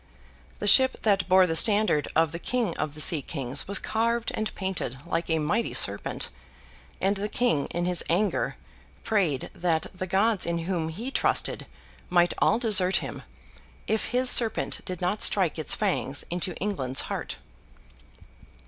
The ship that bore the standard of the King of the sea kings was carved and painted like a mighty serpent; and the King in his anger prayed that the Gods in whom he trusted might all desert him, if his serpent did not strike its fangs into England's heart.